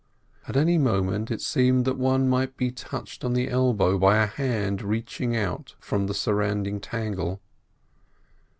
At any moment it seemed that one might be touched on the elbow by a hand reaching out from the surrounding tangle.